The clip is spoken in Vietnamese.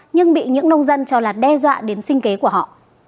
nhưng bị những nông dân cho là đe dọa đến sinh kế của họ